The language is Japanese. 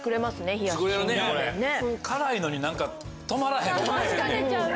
辛いのに止まらへんな。